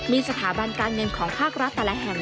มีสถาบันการเงินของภาครัฐแต่ละแห่ง